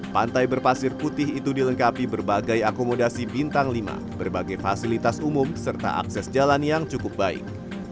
pantai berpasir putih itu dilengkapi berbagai akomodasi bintang lima berbagai fasilitas umum serta akses jalan yang cukup baik